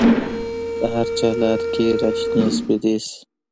د هرچا لار کې را شنې سپیدې شي